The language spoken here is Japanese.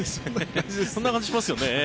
そんな感じしますよね。